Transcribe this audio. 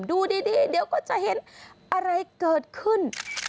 ดูดีเดี๋ยวก็จะเห็นอะไรเกิดขึ้น